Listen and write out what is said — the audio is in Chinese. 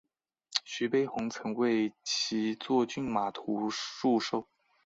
徐悲鸿曾为其作骏马图祝寿。